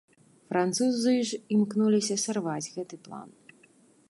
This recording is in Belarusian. Французы ж імкнуліся сарваць гэты план.